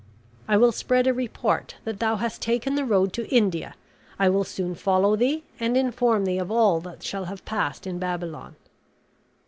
I will spread a report that thou hast taken the road to India. I will soon follow thee, and inform thee of all that shall have passed in Babylon."